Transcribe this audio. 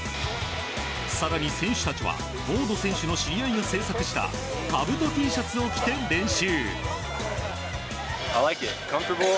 更に選手たちはウォード選手の知り合いが制作したかぶとＴシャツを着て練習。